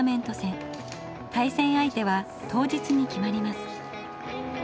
対戦相手は当日に決まります。